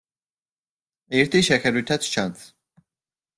ერთი შეხედვითაც ჩანს.